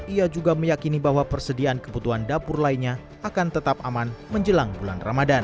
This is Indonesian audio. ia juga meyakini bahwa persediaan kebutuhan dapur lainnya akan tetap aman menjelang bulan ramadan